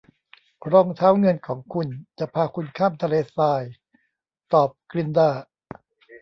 รองเท้าเงินของคุณจะพาคุณข้ามทะเลทรายตอบกลินดา